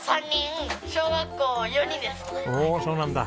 おおそうなんだ。